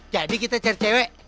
jadi kita cari cewek